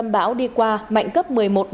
bão đi qua mạnh cấp một mươi một một mươi